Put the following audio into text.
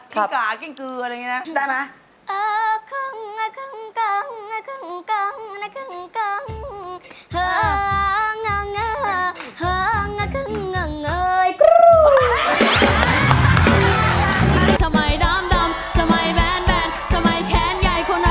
กลิ้งก๋ากลิ้งกืออะไรอย่างนี้นะ